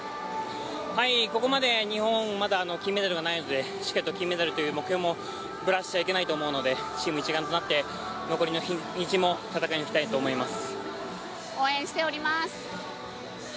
ここまで日本、まだ金メダルがないのでしっかりと金メダルという目標もブラしちゃいけないと思うので、チーム一丸となって、残りの日にちも戦い抜きたいと思います。